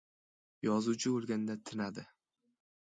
Yozuvchi o'lganda tinadi.